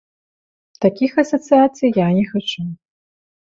Такіх асацыяцый я не хачу.